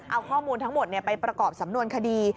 เอาข้อมูลทั้งหมดไปประกอบสำนวนคดี